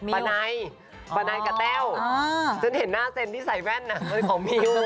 ปะไนปะไนกับแต้วฉันเห็นหน้าเซนที่ใส่แว่นน้ำของมิว